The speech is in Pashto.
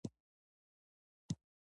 د خوست په تڼیو کې څه شی شته؟